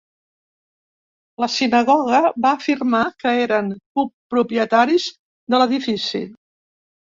La sinagoga va afirmar que eren copropietaris de l'edifici.